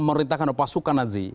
memerintahkan pasukan nazi